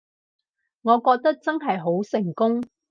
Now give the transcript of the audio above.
我覺得真係好成功